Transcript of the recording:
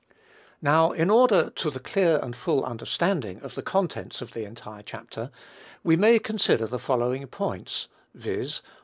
Now, in order to the clear and full understanding of the contents of the entire chapter, we may consider the following points, viz.